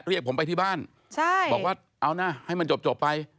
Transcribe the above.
เรียกผมไปที่บ้านบอกว่าเอานะให้มันจบไป